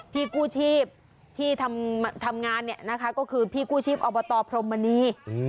พี่กู้ชีพที่ทำงานก็คือพี่กู้ชีพอบตพรมบณี